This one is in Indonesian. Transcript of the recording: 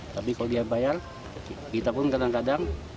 tapi kalau dia bayar kita pun kadang kadang